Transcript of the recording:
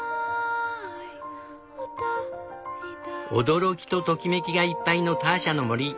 驚きとときめきがいっぱいのターシャの森。